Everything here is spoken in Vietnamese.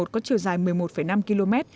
có chiều dài một mươi một năm km